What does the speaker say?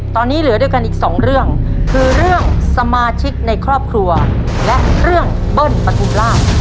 ตอนนี้เหลือด้วยกันอีกสองเรื่องคือเรื่องสมาชิกในครอบครัวและเรื่องเบิ้ลปฐุมราช